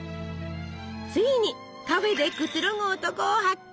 ついにカフェでくつろぐ男を発見！